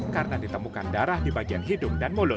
karena ditemukan darah di bagian hidung dan mulut